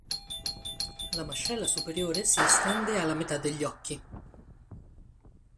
La mascella superiore si estende alla metà degli occhi.